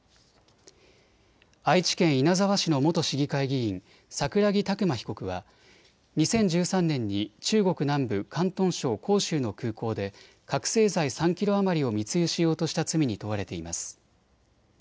愛知県稲沢市の元市議会議員、桜木琢磨被告は２０１３年に中国南部広東省広州の空港で覚醒剤３キロ余りを密輸しようとした罪に問われています。